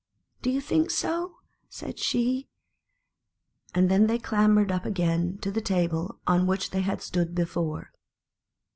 "Do you think so?" said she; and then they clambered up again to the table on which they had stood before.